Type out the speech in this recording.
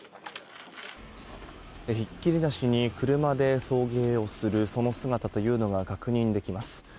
ひっきりなしに車で送迎をするその姿というのが確認できます。